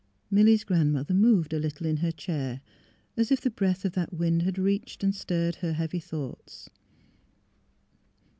Milly 's grandmother moved a little in her chair, as if the breath of that wind had reached and stirred her heavy thoughts.